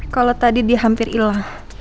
kalo tadi dia hampir ilang